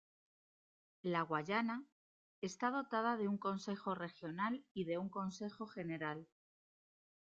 La Guayana está dotada de un Consejo regional y de un Consejo general.